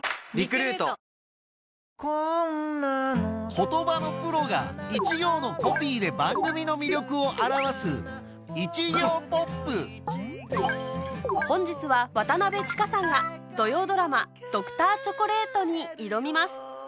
言葉のプロが一行のコピーで番組の魅力を表す本日は渡千佳さんが土曜ドラマ『Ｄｒ．チョコレート』に挑みます